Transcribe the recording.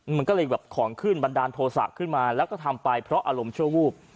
มันก็เลยแบบของขึ้นบันดาลโทษะขึ้นมาแล้วก็ทำไปเพราะอารมณ์ชั่ววูบ